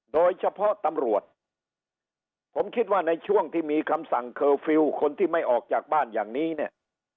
โดยเฉพาะตำรวจผมคิดว่าในช่วงที่มีคำสั่งเคอร์ฟิลล์คนที่ไม่ออกจากบ้านอย่างนี้เนี่ย